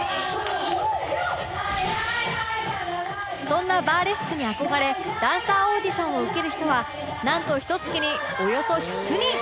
そんなバーレスクに憧れダンサーオーディションを受ける人はなんとひと月におよそ１００人